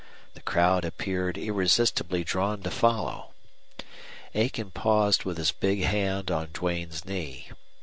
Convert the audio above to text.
The crowd appeared irresistibly drawn to follow. Aiken paused with his big hand on Duane's knee.